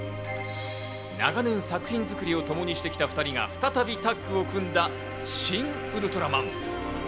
長年、作品作りをともにしてきた２人が再びタッグを組んだ『シン・ウルトラマン』。